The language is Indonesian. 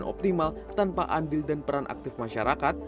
tidak dapat berjalan optimal tanpa andil dan peran aktif masyarakat